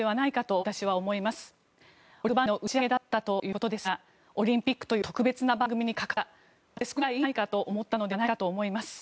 オリンピック番組の打ち上げだったということですがオリンピックという特別な番組に関わった終わって少しぐらいいいじゃないかと思ったのではないかと思います。